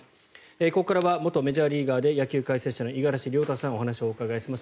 ここからは元メジャーリーガーで野球解説者の五十嵐亮太さんにお話をお伺いします。